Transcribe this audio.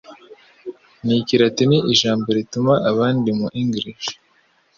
Ni kilatini Ijambo rituma Ahandi Mu English